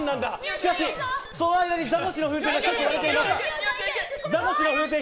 しかしその間にザコシの風船が１つ割れています。